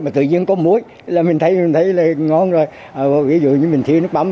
mà tự nhiên có muối là mình thấy là ngon rồi ví dụ như mình thiếu nước mắm